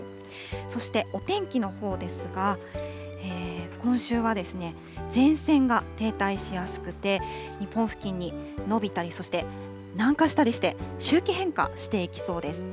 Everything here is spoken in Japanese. そして、お天気のほうですが、今週は前線が停滞しやすくて、日本付近に延びたり、そして南下したりして、周期変化していきそうです。